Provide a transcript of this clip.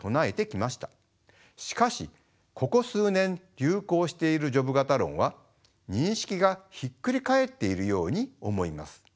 しかしここ数年流行しているジョブ型論は認識がひっくり返っているように思います。